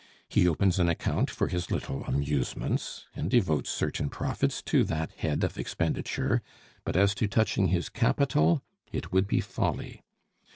He opens an account for his little amusements, and devotes certain profits to that head of expenditure; but as to touching his capital! it would be folly.